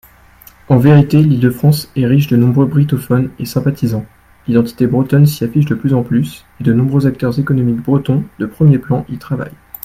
En vérité, l’Île-de-France est riche de nombreux brittophones et sympathisants ; l’identité bretonne s’y affiche de plus en plus et de nombreux acteurs économiques bretons de premiers plans y travaillent.